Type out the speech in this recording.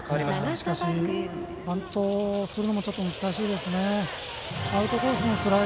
しかし、バントするのも難しいですね。